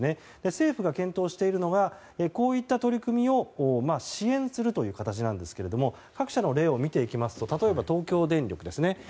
政府が検討しているのがこういった取り組みを支援するという形なんですが各社の例を見ていきますと例えば東京電力ですね。